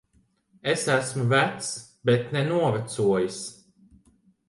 Es esmu vecs. Bet ne novecojis.